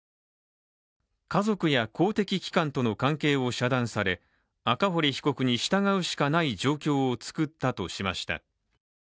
家族や公的機関との関係を遮断され赤堀被告に従うしかない状況を作ったとしました。